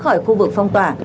khỏi khu vực phong tỏa